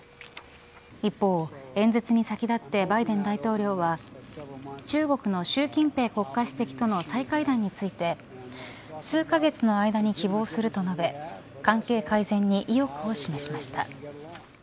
一方、演説に先立ってバイデン大統領は中国の習近平国家主席との再会談について数カ月の間に希望すると述べ関係改善に意欲を示しました。